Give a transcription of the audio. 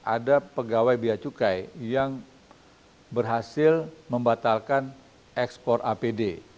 ada pegawai biacukai yang berhasil membatalkan ekspor apd